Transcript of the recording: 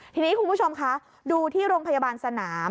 ทีนี้คุณผู้ชมคะดูที่โรงพยาบาลสนาม